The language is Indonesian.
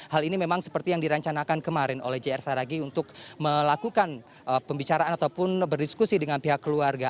hal ini memang seperti yang direncanakan kemarin oleh jr saragi untuk melakukan pembicaraan ataupun berdiskusi dengan pihak keluarga